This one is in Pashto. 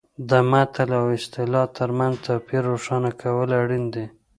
د متل او اصطلاح ترمنځ توپیر روښانه کول اړین دي